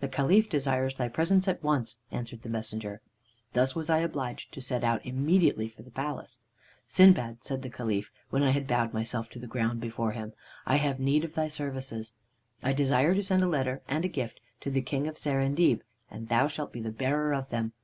"'The Caliph desires thy presence at once,' answered the messenger. "Thus was I obliged to set out immediately for the palace. "'Sindbad,' said the Caliph, when I had bowed myself to the ground before him, 'I have need of thy services. I desire to send a letter and a gift to the King of Serendib, and thou shalt be the bearer of them.'